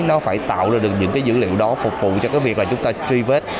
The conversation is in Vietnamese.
nó phải tạo ra được những cái dữ liệu đó phục vụ cho cái việc là chúng ta truy vết